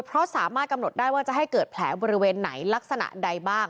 เพราะสามารถกำหนดได้ว่าจะให้เกิดแผลบริเวณไหนลักษณะใดบ้าง